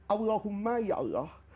allahumma ya allah